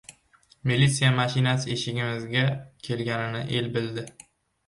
Militsiya mashinasi eshigimizga kelganini el bildi.